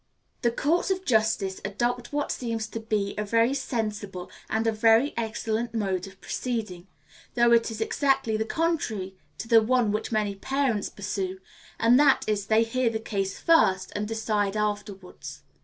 The courts of justice adopt what seems to be a very sensible and a very excellent mode of proceeding, though it is exactly the contrary to the one which many parents pursue, and that is, they hear the case first, and decide afterwards.